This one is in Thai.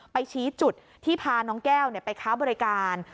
ชี้จุดที่พาน้องแก้วไปค้าบริการ